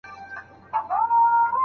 خپل مخ په پاکو اوبو او ښه صابون پرېمنځئ.